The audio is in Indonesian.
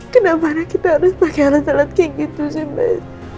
kenapa kita harus pakai alat alat kayak gitu sih mbak